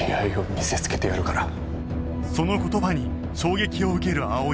その言葉に衝撃を受ける葵